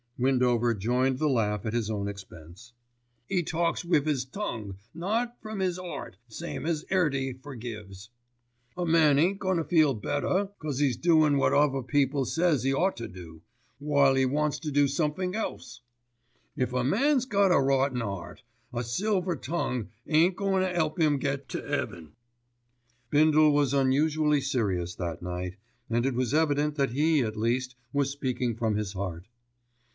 Windover joined the laugh at his own expense. "'E talks with 'is tongue, not from 'is 'eart, same as 'Earty forgives. A man ain't goin' to feel better 'cause 'e's always doin' wot other people ses 'e ought to do, while 'e wants to do somethink else. If a man's got a rotten 'eart, a silver tongue ain't goin' to 'elp 'im to get to 'eaven." Bindle was unusually serious that night, and it was evident that he, at least, was speaking from his heart.